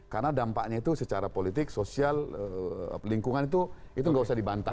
karena dampaknya itu secara politik sosial lingkungan itu gak usah dibantah